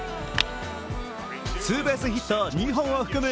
ツーベースヒット２本を含む